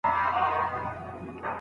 پرمختګ کوې.